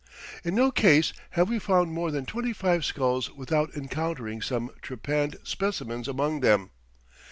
In no case have we found more than twenty five skulls without encountering some "trepanned" specimens among them.